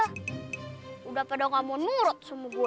sudah pada tidak mau nurut semua gue